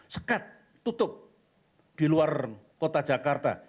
sekat tutup di luar kota jakarta